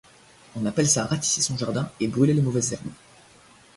On appelle ça ratisser son jardin et brûler les mauvaises herbes.